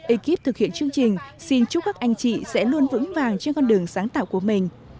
ekip thực hiện chương trình xin chúc các anh chị sẽ luôn vững vàng trên con đường sáng tạo của mình